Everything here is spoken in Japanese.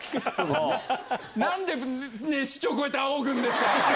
なんで、市長、こうやってあおぐんですか？